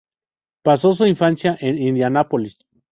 Paso su infancia en Indianápolis.